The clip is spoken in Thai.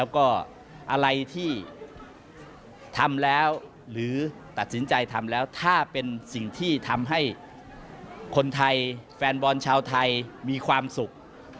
คนไทยแฟนบอลชาวไทยมีความสุข